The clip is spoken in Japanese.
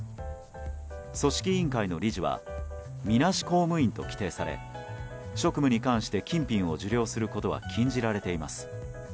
組織委員会の理事はみなし公務員と規定され職務に関して金品を受領することは禁じられています。